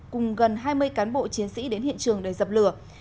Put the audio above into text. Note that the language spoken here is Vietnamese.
cùng gần hai mươi cán bộ chiến sĩ đến hiện trường để dập lửa